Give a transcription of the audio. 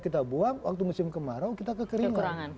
kita buang waktu musim kemarau kita kekeringan